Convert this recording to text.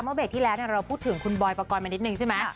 เบรกที่แล้วเราพูดถึงคุณบอยปกรณ์มานิดนึงใช่ไหม